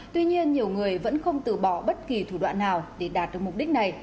tuy nhiên nhiều người vẫn không từ bỏ bất kỳ thủ đoạn nào để đạt được mục đích này